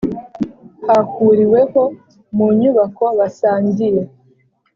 hahuriweho mu nyubako basangiye